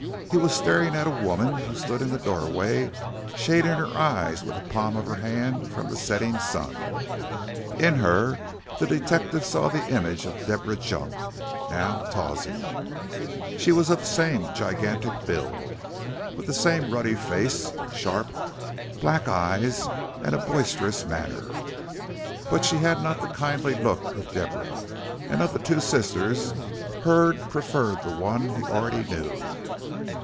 He was staring at a woman who stood in the doorway shading her eyes with the palm of her hand from the setting sun. In her the detective saw the image of Deborah Junk, now Tawsey. She was of the same gigantic build, with the same ruddy face, sharp, black eyes and boisterous manner. But she had not the kindly look of Deborah, and of the two sisters Hurd preferred the one he already knew.